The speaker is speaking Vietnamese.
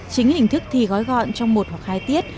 chính hình thức thi gói gọn trong một hoặc hai tiết